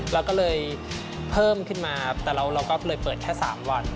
เราก็เลยเพิ่มขึ้นมาแต่เราก็เลยเปิดแค่๓วัน